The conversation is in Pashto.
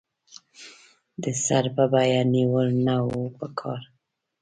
د سر په بیه نېول نه وو پکار.